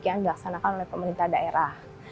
yang dilaksanakan oleh pemerintah daerah